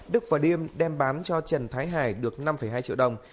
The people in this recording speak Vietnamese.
đức và điêm đem bán cho trần thái hải được năm hai triệu đồng